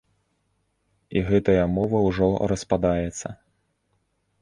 І гэтая мова ўжо распадаецца.